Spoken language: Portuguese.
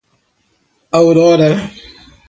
Aurora